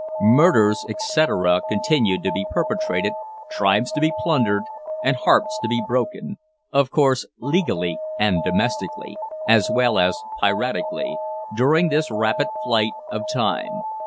Murders, etcetera, continued to be perpetrated, tribes to be plundered, and hearts to be broken of course "legally" and "domestically," as well as piratically during this rapid flight of time.